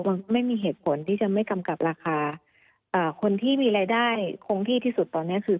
มันไม่มีเหตุผลที่จะไม่กำกับราคาคนที่มีรายได้คงที่ที่สุดตอนเนี้ยคือ